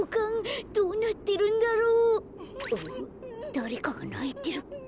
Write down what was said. だれかがないてる。